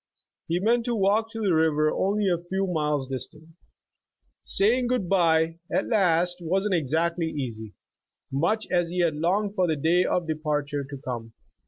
He meant to walk to the river only a few miles dis tant. Saying good bye, at last, wasn't exactly easy, much as he had longed for the day of departure to come.